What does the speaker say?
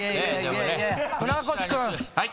船越君！